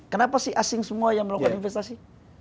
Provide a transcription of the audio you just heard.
kenapa sih asing semua yang melakukan investasi